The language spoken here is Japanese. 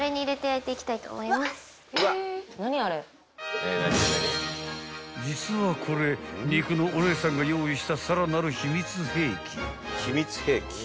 へぇ［実はこれ肉のお姉さんが用意したさらなる］